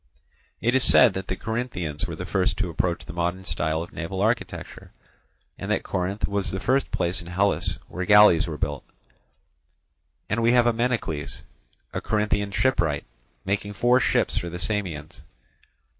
It is said that the Corinthians were the first to approach the modern style of naval architecture, and that Corinth was the first place in Hellas where galleys were built; and we have Ameinocles, a Corinthian shipwright, making four ships for the Samians.